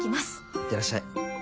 行ってらっしゃい。